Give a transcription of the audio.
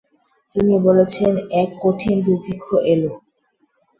তিনি বলেছেন, এক কঠিন দুর্ভিক্ষ এল।